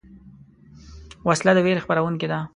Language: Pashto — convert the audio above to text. وسله د ویرې خپرونکې ده